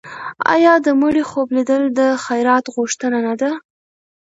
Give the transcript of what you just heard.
آیا د مړي خوب لیدل د خیرات غوښتنه نه ده؟